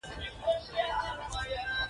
د فرهنګي میراث د ثبت ښه زېری واورېدل شو.